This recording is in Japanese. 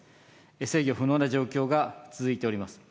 制御不能な状況が続いております。